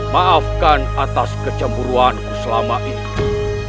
maafkan atas kecemburuanku selama itu